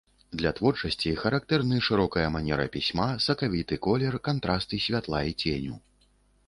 Для творчасці характэрны шырокая манера пісьма, сакавіты колер, кантрасты святла і ценю.